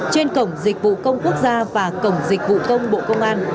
trên cổng dịch vụ công quốc gia và cổng dịch vụ công bộ công an